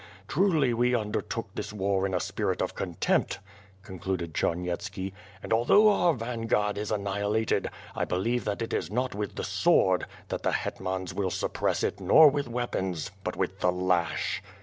Truly we un dertook this war in a spirit of contempt," concluded Chamy etski, "and although our vanguard is annihilated, I believe that it is not with the sword, that the hetmans will suppress it nor with weapons, but with the lash."